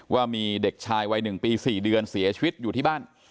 ว่ามีเด็กชายวัย๑ปี๔เดือนเสียชีวิตอยู่ที่บ้าน